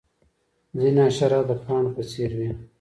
ځینې حشرات د پاڼو په څیر وي